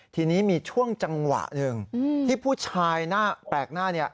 ทีนี้มีช่วงจังหวะหนึ่งที่ผู้ชายหน้าแปลกหน้าเนี่ย